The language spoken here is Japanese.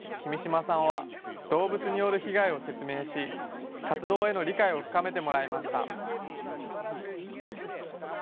走る前に、君島さんは動物による被害を説明し、活動への理解を深めてもらいました。